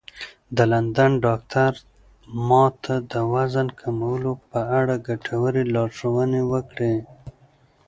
د لندن ډاکتر ما ته د وزن کمولو په اړه ګټورې لارښوونې کړې وې.